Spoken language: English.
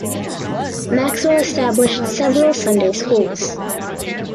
Maxwell established several Sunday Schools.